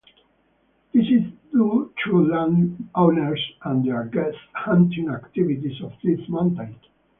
This is due to landowners and their guests' hunting activities on this mountain.